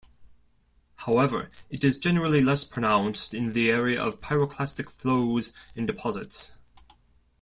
However, it is generally less pronounced in the area of pyroclastic flows and deposits.